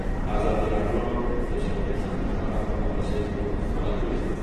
ازادي راډیو د چاپیریال ساتنه په اړه پرله پسې خبرونه خپاره کړي.